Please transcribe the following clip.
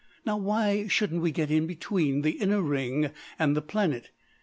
Now why shouldn't we get in between the inner ring and the planet?